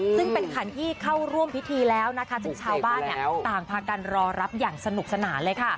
ซึ่งเป็นขันที่เข้าร่วมพิธีแล้วนะคะซึ่งชาวบ้านต่างพากันรอรับอย่างสนุกสนานเลยค่ะ